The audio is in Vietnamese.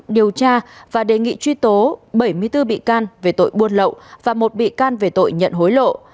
điều tra và đề nghị truy tố bảy mươi bốn bị can về tội buôn lậu và một bị can về tội nhận hối lộ